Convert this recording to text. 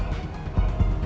mama hu sus